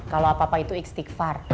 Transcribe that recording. kalau apa apa itu istighfar